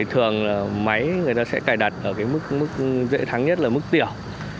thường máy người ta sẽ cài đặt ở cái mức dễ thắng nhất là mức tiểu